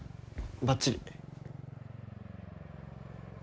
ばっちり。